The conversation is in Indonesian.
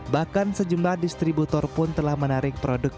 bahkan sejumlah distributor pun telah menarik produk